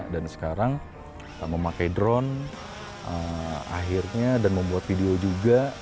dan sekarang memakai drone akhirnya dan membuat video juga